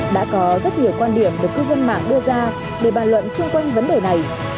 đã có rất nhiều quan điểm được cư dân mạng đưa ra để bàn luận xung quanh vấn đề này